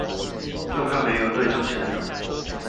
就怕沒有對症下藥